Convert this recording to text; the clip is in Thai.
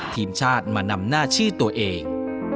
ทีมชาติมานำหน้าชื่อตัวเอง